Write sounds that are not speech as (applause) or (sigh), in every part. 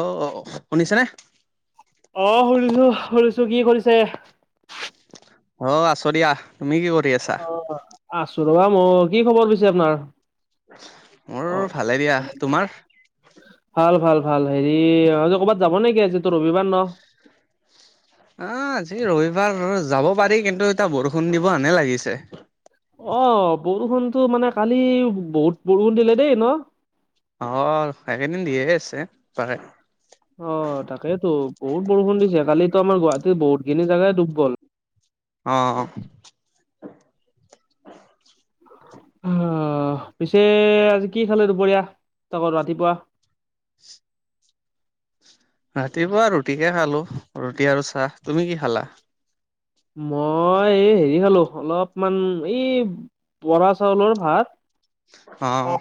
অ অ শুনিছা নে অ শুনিছো শুনিছো কি কৰিছে অ আছো দিয়া তুমি কি কৰি আছা অ আছো ৰবা ময়ো কি খবৰ পিছে আপোনাৰ অ মোৰ ভালে দিয়া তোমাৰ ভাল ভাল ভাল হেৰি ক'বাত যাব নেকি আজি তোৰ ৰবিবাৰ ন আহ আজি ৰবিবাৰ যাব পাৰি কিন্তু এতিয়া বৰষুণ দিব হনে লাগিছে অ বৰষুণতো মানে কালি বহুত বৰষুণ দিলে দেই ন অ এইকেইদিন দিয়ে আছে পাৰে অ তাকেইতো বহুত বৰষুণ দিছে কালিতো আমাৰ গুৱাহাটীৰ বহুত খিনি জাগাই ডুব গল অ অ পিছে আজি কি খালো দুপৰীয়া তাকৌ ৰাতিপুৱা ৰাতিপুৱা ৰুটিকে খালো ৰুটি আৰু চাহ তুমি কি খালা? মই হেৰি খালো অলপমান এই বৰা চাউলৰ ভাত অ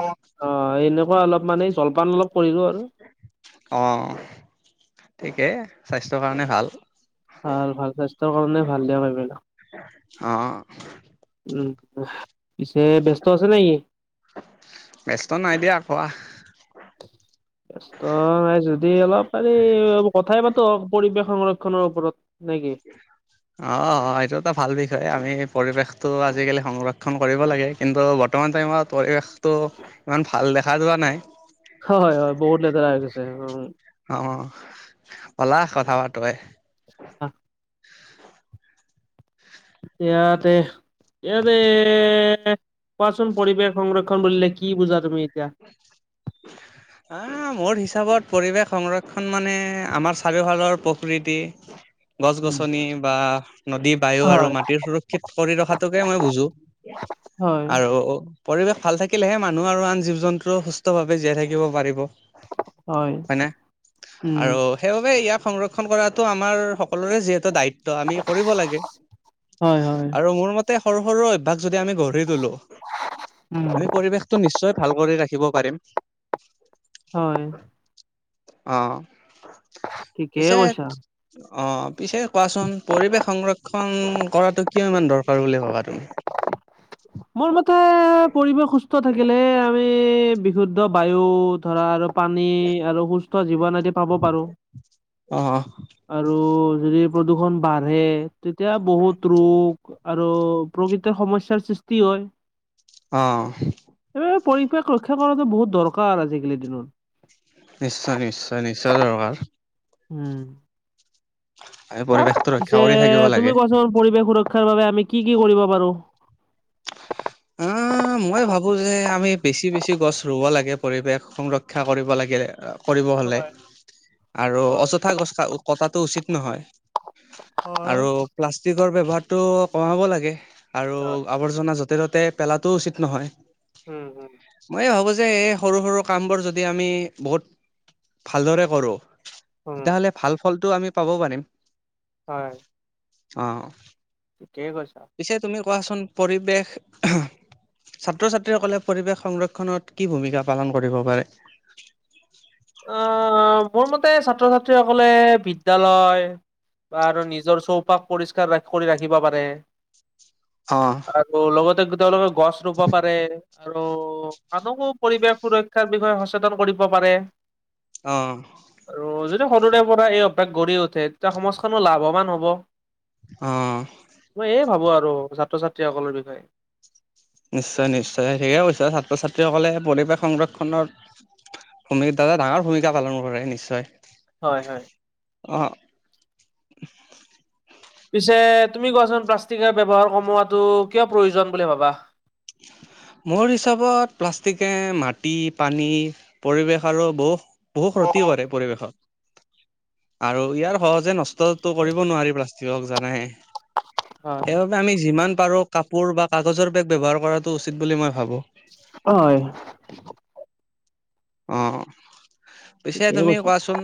এনেকুৱা অলপ মান জলপান অলপ কৰিলো আৰু অ ঠিকে স্বাস্থ্যৰ কাৰণে ভাল ভাল ভাল স্বাস্থ্যৰ কাৰণে ভাল দিয়ক এইবিলাক অ উম পিছে ব্যস্ত আছে নে কি ব্যস্ত নাই দিয়া কোৱা (unintelligible) ব্যস্ত নাই যদি অলপ পাৰি কথাই পাতো পৰিৱেশ সংৰক্ষনৰ ওপৰত নে কি অ অ এইটো এটা ভাল বিষয় আমি পৰিৱেশটো আজিকালি সংৰক্ষণ কৰিব লাগে কিন্তু বৰ্তমান টাইমত পৰিৱেশটো ইমান ভাল দেখা যোৱা নাই হয় হয় হয় বহুত লেতেৰা হৈ গৈছে উ অ বলা কথা পাতো এ অহ এয়াতে এয়াতে কোৱাচোন পৰিৱেশ সংৰক্ষণ বুলিলে কি বুজা তুমি এতিয়া? (unintelligible) হা মোৰ হিচাপত পৰিৱেশ সংৰক্ষণ মানে আমাৰ চাৰিওফালৰ প্ৰকৃতি (inaudible) গছ গছনি বা নদী বায়ু হয় আৰু মাটিৰ সুৰক্ষিত কৰি ৰখাটোকে মই বুজো হয় আৰু পৰিৱেশ ভাল থাকিলেহে মানুহ আৰু আন জীৱ জন্তুও সুস্থভাৱে জীয়াই থাকিব পাৰিব হয় না উম আৰু সেইবাবে ইয়াক সংৰক্ষণ কৰাতো আমাৰ সকলোৰে যিহেতু দায়িত্ব আমি কৰিব লাগে হয় হয় আৰু মোৰ মতে সৰু সৰু অভ্যাস যদি আমি গঢ়ি তুলো উম আমি পৰিৱেশটো নিশ্চয় ভাল কৰি ৰাখিব পাৰিম হয় অ ঠিকেই পিছে কৈছা অ পিছে কোৱাচোন পৰিৱেশ সংৰক্ষণ কৰাতো কিয় ইমান দৰকাৰ বুলি ভাবা তুমি মোৰ মতে পৰিৱেশ সুস্থ থাকিলেহে আমি বিশুদ্ধ বায়ু ধৰা আৰু পানী আৰু সুস্থ জীৱন আদি পাব পাৰো অ আৰু যদি প্ৰদূষণ বাঢ়ে তেতিয়া বহুত ৰোগ আৰু প্ৰকৃৃতিৰ সমস্যাৰ সৃষ্টি হয় অ এই পৰিৱেশ ৰক্ষা কৰাতো বহুত দৰকাৰ আজিকালি দিনত নিশ্চয় নিশ্চয় নিশ্চয় দৰকাৰ উম আমি পৰিৱেশটো ৰক্ষা পিছে কৰি থাকিব তুমি লাগে। কোৱাচোন পৰিৱেশ সুৰক্ষাৰ বাবে আমি কি কি কৰিব পাৰো অ মই ভাবো যে আমি বেছি বেছি গছ ৰুব লাগে পৰিৱেশ সংৰ ক্ষা কৰিব লাগে কৰিব হ'লে হয় আৰু হয় অযথা গছ কটাটো উচিত নহয় হয় আৰু প্লাষ্টিকৰ ব্যৱহাৰতো কমাব লাগে, আৰু হয় আৱৰ্জনা যত ত'তে পেলাটোও উচিত নহয়। উম হুম' ময়ে ভাবো যে এই সৰু সৰু কামবোৰ যদি আমি বহুত ভালদৰে কৰো উম তেতিয়াহলে ভাল ফলটো আমি পাব পাৰিম হয় অ ঠিকেই কৈছা। পিছে তুমি কোৱাচোন পৰিৱেশ ছাত্ৰ ছাত্ৰীসকলে পৰিৱেশ সংৰক্ষণত কি ভূমিকা পালন কৰিব পাৰে? আহ মোৰ মতে ছাত্ৰ ছাত্ৰীসকলে বিদ্যালয় বা আৰু নিজৰ চৌপাশ পৰিষ্কাৰ কৰি ৰাখিব পাৰে। অহ' আৰু লগতে তেওঁলোকে গছ ৰুব পাৰে, আৰু আনকো পৰিৱেশ সুৰক্ষাৰ বিষয়ে সচেতন কৰিব পাৰে। অহ' আৰু যদি সৰুৰে পৰা এই অভ্যাস গঢ়ি উঠে তেতিয়া সমাজখনো লাভৱান হ'ব। অহ' মই এয়ে ভাবো আৰু ছাত্ৰ-ছাত্ৰীসকলৰ বিষয়ে। নিশ্চয় নিশ্চয় ঠিকে কৈছা, ছাত্ৰ-ছাত্ৰীসকলে পৰিৱেশ সংৰক্ষণৰ ভূমিক এটা ডাঙৰ ভূমিকা পালন কৰে নিশ্চয়। হয় হয়। অহ' পিছে তুমি কোৱাচোন প্লাষ্টিকৰ ব্যৱহাৰ কমোৱাটো কিয় প্ৰয়োজন বুলি ভাবা? মোৰ হিচাপত প্লাষ্টিকে মাটি, পানী, পৰিৱেশ আৰু বহু বহু ক্ষতি কৰে পৰিৱেশত আৰু ইয়াৰ সহজে নষ্টতো কৰিব নোৱাৰি ষ্টিকক, (unintelligible) জানাই হয়। সেইবাবে আমি যিমান পাৰো কাপোৰ বা কাগজৰ বেগ ব্যৱহাৰ, কৰাটো উচিত বুলি মই ভাবোঁ। হয়। অহ' পিছে ঠিকেই তুমি কৈছা কোৱাচোন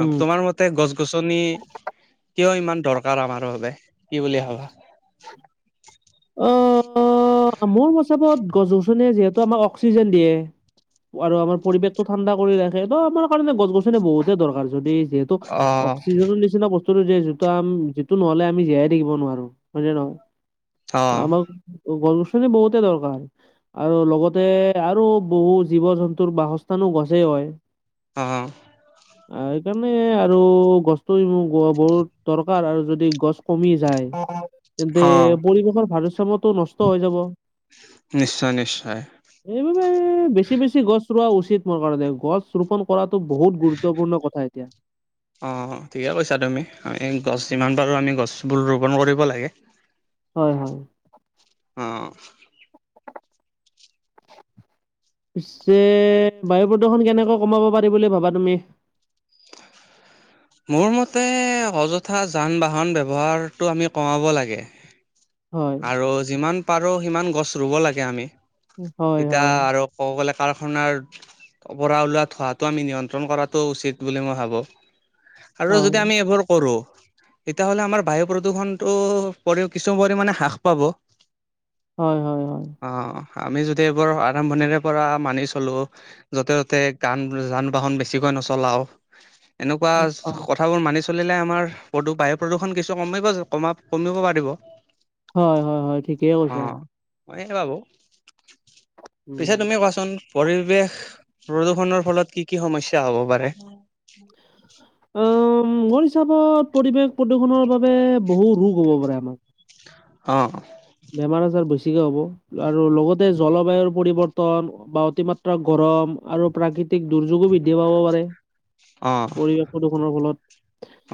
উম। তোমাৰ ম তাতে গছ-গছনি কিয় ইমান দৰকাৰ আমাৰ বাবে কি বুলি ভাবা? অহ' অ' মোৰ হিচাপত গছ-গছনিয়ে যিহেতু আমাক অক্সিজেন দিয়ে, আৰু আমাৰ পৰিৱেশটো ঠাণ্ডা কৰি ৰাখে, ত আমাৰ কাৰণে গছ-গছনি বহুতে দৰকাৰ যদি- অ'। অক্সিজেনৰ নিচিনা বস্তুটো যিয়ে যিটো আ যিটো নহ'লে আমি জীয়াই থাকিব নোৱাৰো, হয় নে নহয়? অ', আমাক গছ-গছনি বহুতে দৰকাৰ। আৰু লগতে আৰু বহু জীৱ-জন্তুৰ বাসস্থানো গছেই হয়। অহ' সেইকাৰণে আৰু গছটো বহুত দৰকাৰ আৰু যদি গছ- কমি যায় তেন্তে অ', পৰিৱেশৰ ভাৰসাম্য টো নষ্ট হৈ যাব। নিশ্চয় নিশ্চয়, এইবাবে বেছি বেছি গছ ৰোৱা উচিত মোৰ কাৰণে গছ ৰোপন, কৰাতো বহুত গুৰুত্বপূৰ্ণ কথা এতিয়া। অ ঠিকে কৈছা তুমি, আমি গছ যিমান পাৰোঁ আমি গছবোৰ ৰোপণ কৰিব লাগে। হয় হয়, অহ' পিছে বায়ু প্ৰদূৰষণ কেনেকৈ কমাব পাৰি বুলি ভাবা তুমি? মোৰ মতে অযথা যান-বাহন ব্যৱহাৰটো আমি কমাব লাগে। হয়, আৰু যিমান পাৰো সিমান গছ ৰুব লাগে আমি হয়, এতিয়া হয়, আৰু। ক'ব গ'লে কাৰখানাৰ। পৰা ওলোৱা ধোৱাটো আমি নিয়ন্ত্ৰণ কৰাটো উচিত বুলি মই ভাবোঁ। আৰু হয়, যদি আমি এইবোৰ কৰো, তেতিয়াহ'লে আমাৰ বায়ু প্ৰদূষণতটো পৰি কিছু পৰিমাণে হ্ৰাস পাব। হয় হয় হয়, অ আমি যদি এইবোৰ আৰম্ভণিৰে পৰা মানি চলো য'তে ত'তে গান যান-বাহন বেছিকৈ নচলাও, এনেকুৱা অ', কথাবোৰ মানি চ চলিলে আমাৰ প্ৰদূ বায়ু প্ৰদূষণ কিছু কমিব কমা কমিব পাৰিব। হয় হয় হয়, ঠিকেই কৈছা। অ'। মই এয়ে ভাবো, পিছে উম, তুমি কোৱাচোন পৰিৱেশ প্ৰদূষণৰ ফলত কি কি সমস্যা হ'ব পাৰে? উম, মোৰ হিচাপত পৰিৱেশ প্ৰদূষণৰ বাবে বহু ৰোগ হ'ব পাৰে আমাৰ। অঁ। বেমাৰ আজাৰ বেছিকে হ'ব, আৰু লগতে জলবায়ুৰ পৰিৱৰ্তন বা, অতিমাত্ৰা গৰম আৰু প্ৰাকৃতিক দুৰ্যোগো বৃদ্ধি পাব পাৰে। অ', পৰিৱেশ প্ৰদূষণৰ ফলত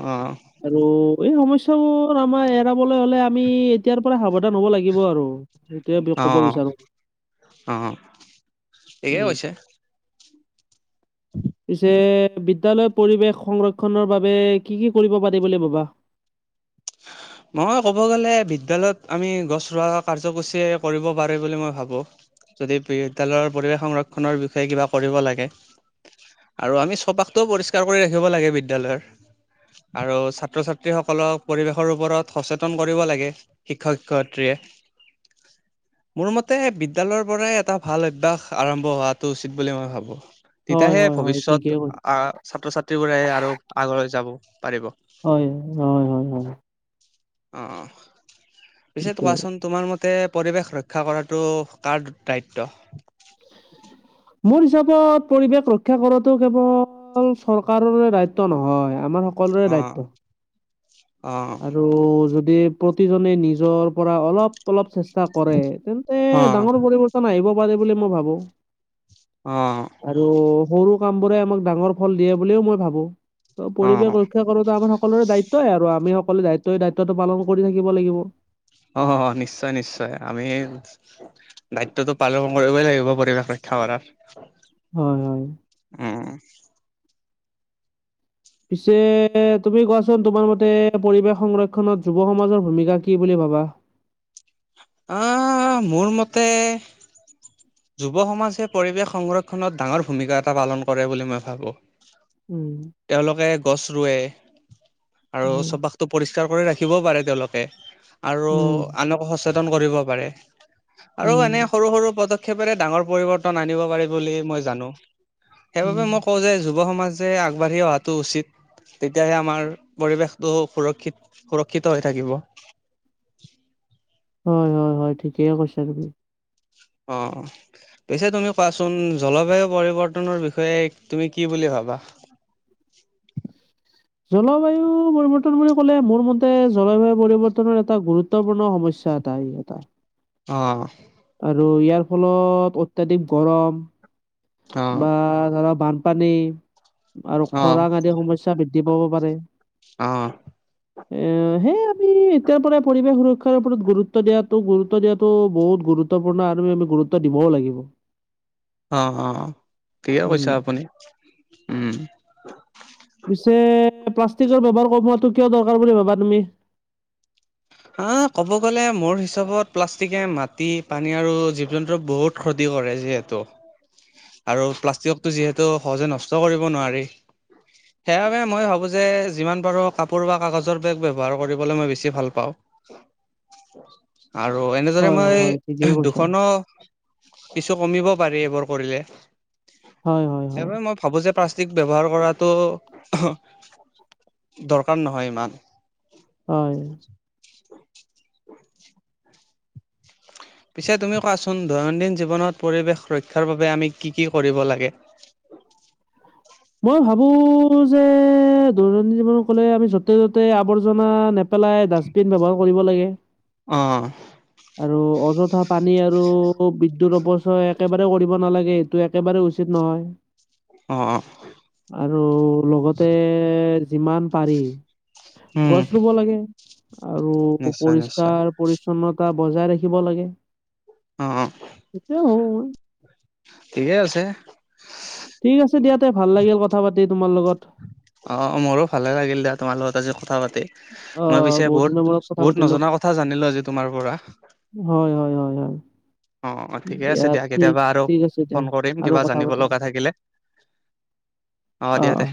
অ', আৰু এই সমস্যাবোৰ আমাৰ এৰাবলৈ হ'লে আমি এতিয়াৰ পৰা আন হ'ব লাগিব আৰু এইতোৱে ক'ব অ', বিচাৰো। উম। (unintelligible) (inaudible) পিছে বিদ্যালয় পৰিৱেশ সংৰক্ষনৰ বাবে কি কি কৰিব পাৰি বুলি ভাবা? (inaudible) মই ক'ব গ'লে বিদ্যালয়ত আমি গছ ৰোৱা কাৰ্যসূচীয়ে কৰিব পাৰে বুলি মই ভাবো। যদি বিদ্যালয়ৰ পৰিৱেশ সংৰক্ষনৰ বিষয়ে কিবা কৰিব লাগে। আৰু আমি চৌপাশটোও পৰিষ্কাৰ কৰি ৰাখিব লাগে বিদ্যালয়ৰ। আৰু ছাত্ৰ-ছাত্ৰী সকলক পৰিৱেশৰ ওপৰত সচেতন কৰিব লাগে শিক্ষক শিক্ষয়িত্ৰীয়ে। (inaudible) মোৰ মতে বিদ্যালয়ৰ পৰাই এটা ভাল অভ্যাস আৰম্ভ হোৱাটো উচিত বুলি মই ভাবোঁ। হয়, তিতাহে হয়, হয়, ঠিকেই ভৱিষ্যত কৈ আহ ছাত্ৰ-ছাত্ৰীবোৰে আৰু আগলৈ যাব পাৰিব। হয় অ। অ অ, পিছে ঠিকেই। কোৱাচোন তোমাৰ মতে পৰিৱেশ ৰক্ষা কৰাটো কাৰ দায়িত্ব? মোৰ হিচাপত পৰিৱেশ ৰক্ষা কৰাটো কেৱল অকল চৰকাৰৰে দায়িত্ব নহয় আমাৰ সকলোৰে দায়িত্ব। অঁ। আৰু যদি প্ৰতিজনে নিজৰ পৰা অলপ অলপ চেষ্ টা কৰে তেন্তে অ ডাঙৰ পৰিৱৰ্তন আহিব পাৰে বুলি মই ভাবো। অঁ। আৰু সৰু কাম বোৰে আমাক ডাঙৰ ফল দিয়ে বুলিও মই ভাবো। ত' পৰিৱেশ ৰক্ষা কৰাতো আমাৰ সকলোৰে দায়িত্বেই আৰু আমি সকলো দায়িত্ব দায়িত্বটো পালন কৰি থাকিব লাগিব। অ' নিশ্চয় নিশ্চয় আমি দায়িত্বটো পালন কৰিবই লাগিব পৰিৱেশ ৰক্ষা কৰাৰ। হয় হয়। উম। পিছে তুমি কোৱাচোন, তোমাৰ মতে পৰিৱেশ সংৰক্ষণত যুৱ সমাজৰ ভূমিকা কি বুলি ভাবা? আহ মোৰ মতে যুৱ সমাজে পৰিৱেশ সংৰক্ষণত ডাঙৰ ভূমিকা এটা পালন কৰে বুলি মই ভাবো। উম। তেওঁলোকে গছ ৰুৱে আৰু হয়, চৌপাশ টো পৰিষ্কাৰ কৰি ৰাখিবও পাৰে। তেওঁলোকে আৰু উম, আনকো সচেতন কৰিব পাৰে। আৰু এনে উম, সৰু সৰু পদক্ষেপেৰে ডাঙৰ পৰিৱৰ্তন আনিব পাৰি বুলি মই জানোঁ। সেইবাবে মই উম। কওঁ যে, যুৱ সমাজে আগবাঢ়ি অহাটো উচিত। তেতিয়াহে আমাৰ পৰিৱেশটো সুৰক্ষিত সুৰক্ষিত হৈ থাকিব। হয় হয় হয়। ঠিকেই কৈছা তুমি। অহ। পিছে তুমি কোৱাচোন? জল বায়ুৰ পৰিৱৰ্তনৰ বিষয়ে তুমি কি বুলি ভাবা। জলবায়ুৰ পৰিৱৰ্তন বুলি কলে মোৰ মতে, জলবায়ু পৰিৱৰ্তনৰ এটা গুৰুত্ব গুৰুত্বপূৰ্ণ সমস্যা এটাই এটা। অহ আৰু ইয়াৰ ফলত অত্যাধিক গৰম। অ', বা ধৰক বানপানী আৰু অ', খৰাং আদি সমস্যা বৃদ্ধি পাব পাৰে। অহ (inaudible) এ সেই আমি এতিয়াৰ পৰাই পৰিৱেশ সুৰক্ষাৰ ওপৰত গুৰুত্ব দিয়াতো গুৰুত্ব দিয়াতো বহুত গুৰুত্ব গুত্বপূৰ্ণ আৰু আমি গুৰুত্ব দিবও লাগিব। অ অ ঠিকে উম, কৈছা, আপোনি উম। পিছে প্লাষ্টিকৰ ব্যৱহাৰ কমোৱাটো কিয় দৰকাৰ বুলি ভাবা তুমি? আহ কব গলে মোৰ হিচাপত প্লাষ্টিকে মাটি, পানী আৰু জীৱ জন্তুৰ বহুত ক্ষতি কৰে। যিহেতু (inaudible) আৰু প্লাষ্টিকো যিহেতু সহজে নষ্ট কৰিব নোৱাৰি। সেইবাবে মই ভাবোঁ যে যিমান পাৰোঁ কাপোৰ বা কাগজৰ বেগ ব্যৱহাৰ কৰিবলৈ মই বেছি ভাল পাওঁ। আৰু এনেদৰে হয়, হয়, মই হয়, ঠিকেই কৈছা। দুখনো কিছু কমিব পাৰি, এইবোৰ কৰিলে হয়, হয়, হয়, সেইবাবে মই ভাবোঁ যে প্লাষ্টিক ব্যৱহাৰ কৰাটো দৰকাৰ নহয় ইমান। হয়। (inaudible) পিছে তুমি কোৱাচোন দৈনন্দিন জীৱনত পৰিৱেশ সুৰক্ষাৰ বাবে আমি কি কি কৰিব লাগে? মই ভাবো যে দৈনন্দিন জীৱন কলে আমি যতে ততে আৱৰ্জনা নেপেলাই ডাষ্টবিন ডাষ্টবিন ব্যৱহাৰ কৰিব লাগে। অহ আৰু অযথা পানী আৰু বিদ্যুৎ অৱচয় একেবাৰে কৰিব নালাগে। এইটো একেবাৰে উচিত নহয়। অ অ আৰু লগতে যিমান পাৰি উম, গছ ৰুব লাগে। আৰু নিশ্চয় নিশ্চয় পৰিষ্কাৰ পৰিচ্ছন্নতা বজাই ৰাখিব লাগে। অ‌ অ এইটোৱেই ভাবোঁ মই। ঠিকেই আছে। ঠিক আছে দিয়া। তে ভাল লাগিল কথা পাতি তোমাৰ লগত। অ মোৰো ভালে লাগিল দিয়া। তোমাৰ লগত আজি কথা পাতি। অ মই পিছে দিনৰ বহুত মূৰত কথা বহুত পাতিলো নজনা কথা জানিলো আজি তোমাৰ পৰা হয় হয় হয় হয়। অ অ ঠিকে আছে দিয়া। ঠিক কেতিয়াবা আৰু ঠিক আছে দিয়া ফোন কৰিম আৰু কিবা কথা জানিব পাতিম লগা থাকিলে অ দিয়া দে।